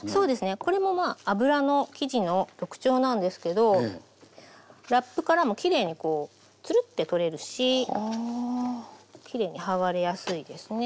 これもまあ油の生地の特徴なんですけどラップからもきれいにこうツルッて取れるしきれいに剥がれやすいですね。